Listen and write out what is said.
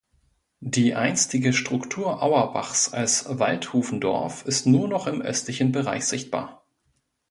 Die einstige Struktur Auerbachs als Waldhufendorf ist nur noch im östlichen Bereich sichtbar.